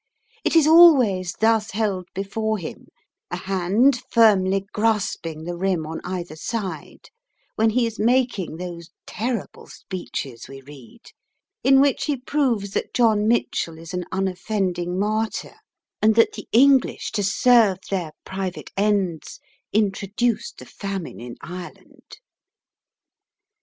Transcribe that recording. It is always thus held before him, a hand firmly grasping the rim on either side, when he is making those terrible speeches we read, in which he proves that John Mitchel is an unoffending martyr, and that the English, to serve their private ends, introduced the famine in Ireland.